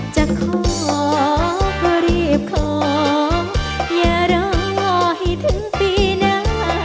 จะขอก็รีบขออย่ารอให้ถึงปีหน้า